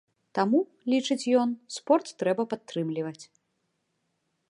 Таму, лічыць ён, спорт трэба падтрымліваць.